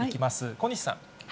小西さん。